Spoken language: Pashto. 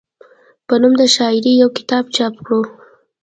پۀ نوم د شاعرۍ يو کتاب چاپ کړو،